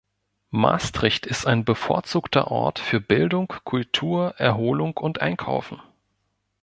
Maastricht ist ein bevorzugter Ort für Bildung, Kultur, Erholung und Einkaufen.